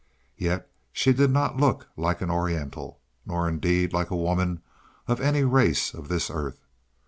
Yet she did not look like an Oriental, nor indeed like a woman of any race of this earth.